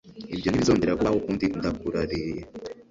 Ibyo ntibizongera kubaho ukundi ndakurariye.